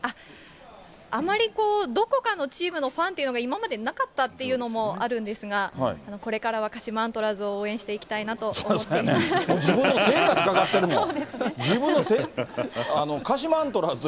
あまりどこかのチームのファンというのが今までなかったっていうのもあるんですが、これからは鹿島アントラーズを応援していそうですよね、自分の生活かかってるもん。